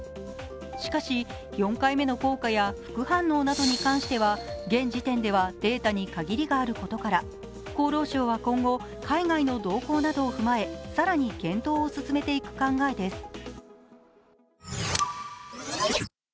しかし、４回目の効果や副反応などに関しては現時点ではデータに限りがあることから、厚労省は今後、海外の動向などを踏まえ更に検討を進めていく考えです。